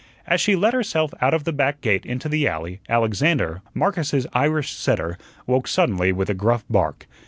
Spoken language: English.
As she let herself out of the back gate into the alley, Alexander, Marcus's Irish setter, woke suddenly with a gruff bark.